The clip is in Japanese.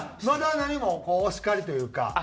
まだ何もこうお叱りというか。